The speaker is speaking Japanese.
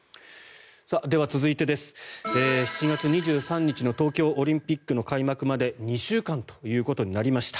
では、続いて７月２３日の東京オリンピックの開幕まで２週間ということになりました。